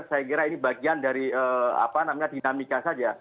saya kira ini bagian dari apa namanya dinamika saja